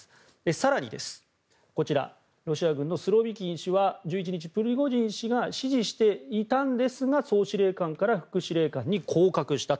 更に、ロシア軍のスロビキン氏は１１日、プリゴジン氏が支持していたんですが総司令官から副司令官に降格したと。